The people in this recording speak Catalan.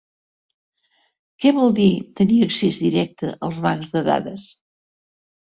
Què vol dir tenir accés directe als bancs de dades?